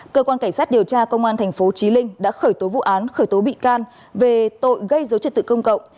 cơ quan cảnh sát điều tra công an tp trí linh đã khởi tố vụ án khởi tố bị can về tội gây dối trật tự công cộng